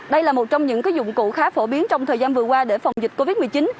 đây là một trong những dụng cụ khá phổ biến trong thời gian vừa qua để phòng dịch covid một mươi chín